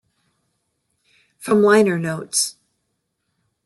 From liner notes.